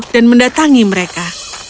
dan mendatangi mereka